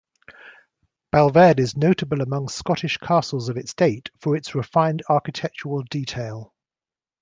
Balvaird is notable among Scottish castles of its date for its refined architectural detail.